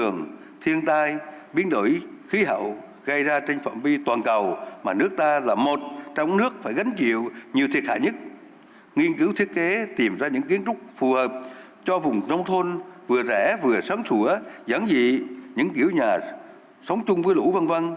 nghiên cứu thiết kế tìm ra những kiến trúc phù hợp cho vùng nông thôn vừa rẻ vừa sáng sủa giảng dị những kiểu nhà sống chung với lũ văn văn